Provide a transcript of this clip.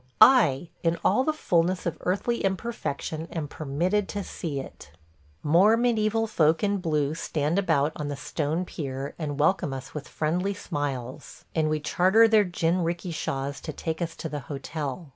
I, in all the fulness of earthly imperfection, am permitted to see it! ... More mediæval folk in blue stand about on the stone pier and welcome us with friendly smiles, and we charter their jinrikishas to take us to the hotel.